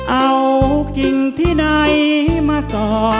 เอากิ่งที่ใดมาต่อ